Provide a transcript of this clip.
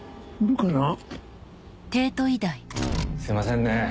すいませんね